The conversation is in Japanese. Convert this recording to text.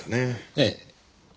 ええ。